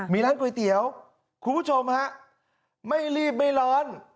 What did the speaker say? มีร้านก๋วยเตี๋ยวคุณผู้ชมฮะไม่รีบไม่ร้อน